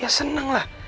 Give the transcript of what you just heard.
ya seneng lah